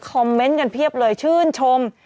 คอมเมนต์กันเพียบเลยชื่นชม